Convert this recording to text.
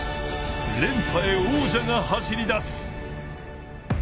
連覇へ王者が走り出す。